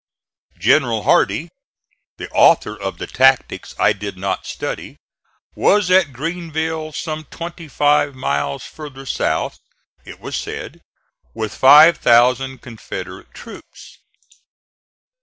General Hardee the author of the tactics I did not study was at Greenville some twenty five miles further south, it was said, with five thousand Confederate troops.